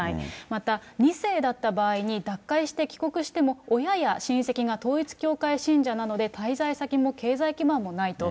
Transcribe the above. また２世だった場合に脱会して帰国しても、親や親戚が統一教会信者なので、滞在先も経済基盤もないと。